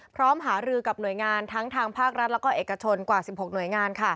พร้อมหารือกับหน่วยงานทั้งทางภาครัฐและเอกชนกว่า๑๖หน่วยงาน